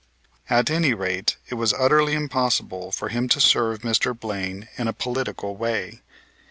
At any rate, it was utterly impossible for him to serve Mr. Blaine in a political way.